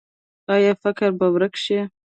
آیا فقر به ورک شي؟